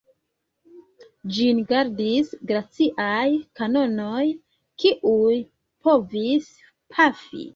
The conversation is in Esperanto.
Ĝin gardis glaciaj kanonoj, kiuj povis pafi.